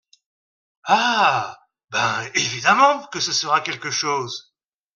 Ah ! ben, évidemment que ce sera quelque chose !